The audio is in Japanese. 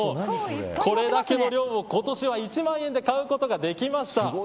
これだけの量を、今年は１万円で買うことができました。